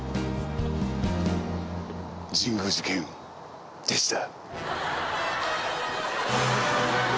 神宮寺剣でした。